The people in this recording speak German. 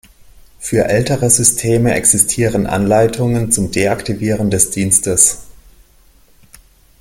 Für ältere Systeme existieren Anleitungen zum Deaktivieren des Dienstes.